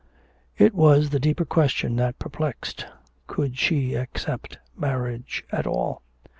It was the deeper question that perplexed: Could she accept marriage at all?